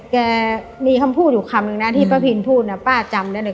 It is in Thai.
แกมีคำพูดอยู่คำนึงนะที่ป้าพินพูดนะป้าจำได้เลย